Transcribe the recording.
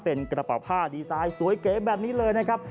เป็นกระเป๋าผ้าดีไซน์สวยเก๋แบบนี้เลยนะครับ